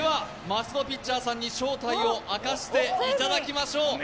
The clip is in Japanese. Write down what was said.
マスク・ド・ピッチャーさんに正体を明かしていただきましよう。